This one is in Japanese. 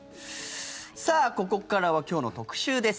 さあ、ここからは今日の特集です。